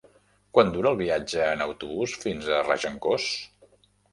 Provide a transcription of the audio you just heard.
Quant dura el viatge en autobús fins a Regencós?